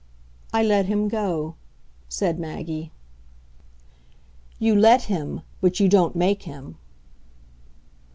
I let him go," said Maggie. "You let him, but you don't make him."